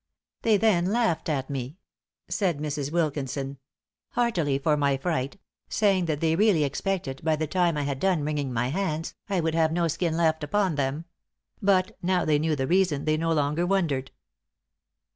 "They then laughed at me," says Mrs. Wilkinson, "heartily for my fright saying that they really expected, by the time I had done wringing my hands, I would have no skin left upon them; but now they knew the reason they no longer wondered."